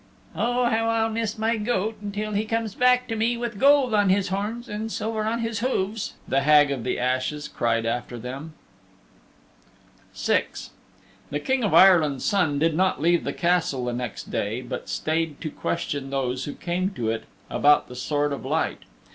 "Oh, how I'll miss my goat, until he comes back to me with gold on his horns and silver on his hooves," the Hag of the Ashes cried after them. VI The King of Ireland's Son did not leave the Castle the next day, but stayed to question those who came to it about the Sword of Light.